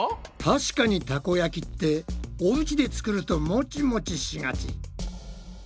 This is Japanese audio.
確かにたこ焼きっておうちで作るとモチモチしがち。